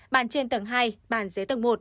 bàn trên tầng hai bàn dưới tầng một